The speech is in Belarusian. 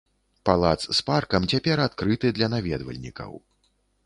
Палац з паркам цяпер адкрыты для наведвальнікаў.